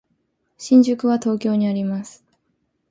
新宿は東京にあります。